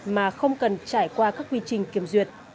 mà không cần trải qua các quy trình kiểm duyệt